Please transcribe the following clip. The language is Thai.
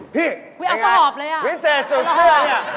พี่อีกแล้วฮ่าอุ๊ยเอาสะหอบเลย